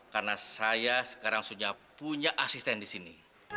karena saya sekarang punya asisten di sini